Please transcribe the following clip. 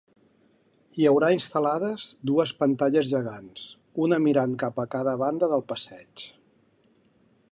Hi haurà instal·lades dues pantalles gegants, una mirant cap a cada banda del passeig.